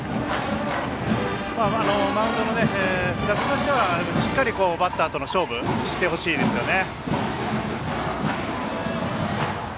マウンドの福田としてはしっかりバッターとの勝負してほしいですよね。